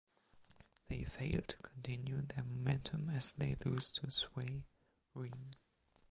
They failed to continue their momentum as they lose to Svay Rieng.